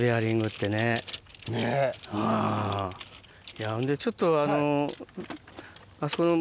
いやほんでちょっとあの。